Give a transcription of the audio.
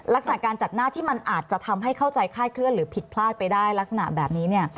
ลักษณะการจัดหน้าที่มันอาจจะทำให้เข้าใจคลาดเคลื่อนหรือผิดพลาดไปได้ลักษณะแบบนี้เนี่ย